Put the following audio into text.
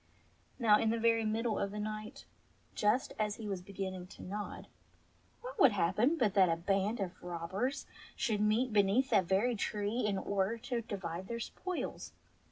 Now in the very middle of the night, just as he was be ginning to nod, what should happen but that a band of robbers should meet beneath that very tree in order to divide their spoils.